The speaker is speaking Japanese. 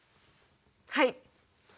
はい！